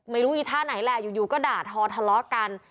ไม่รู้อีท่าไหนแหละอยู่อยู่ก็ด่าท้อทะเลาะกัน